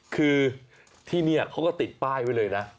คือที่นี่เขาก็ติดป้ายไว้เลยนะ